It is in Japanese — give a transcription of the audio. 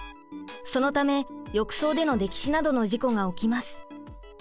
そのため浴槽での溺死などの事故が起きます。